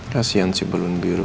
kasian si balun biru